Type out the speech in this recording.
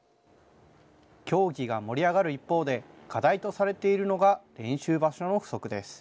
競技が盛り上がる一方で、課題とされているのが練習場所の不足です。